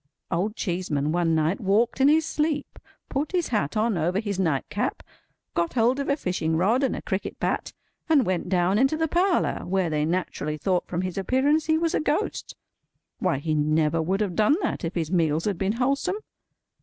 Old Cheeseman one night walked in his sleep, put his hat on over his night cap, got hold of a fishing rod and a cricket bat, and went down into the parlour, where they naturally thought from his appearance he was a Ghost. Why, he never would have done that if his meals had been wholesome.